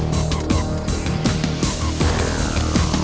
sampai jumpa lagi